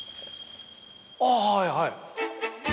あぁはいはい。